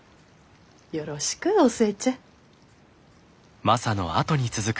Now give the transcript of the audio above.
よろしくお寿恵ちゃん。